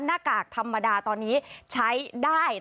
หน้ากากธรรมดาตอนนี้ใช้ได้